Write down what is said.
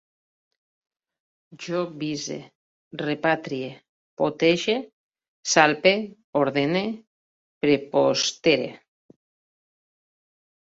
Jo vise, repatrie, potege, salpe, ordene, prepostere